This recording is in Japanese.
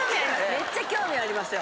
めっちゃ興味ありますよ。